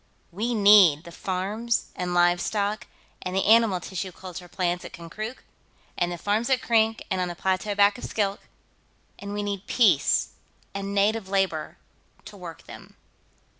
We need the farms and livestock and the animal tissue culture plant at Konkrook, and the farms at Krink and on the plateau back of Skilk, and we need peace and native labor to work them."